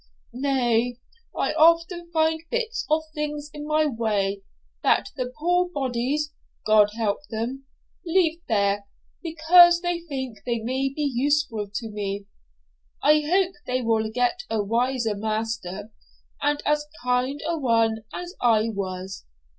Nay, I often find bits of things in my way, that the poor bodies, God help them! leave there, because they think they may be useful to me. I hope they will get a wiser master, and as kind a one as I was.'